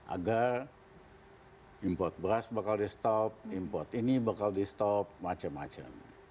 agar import beras bakal di stop import ini bakal di stop macem macem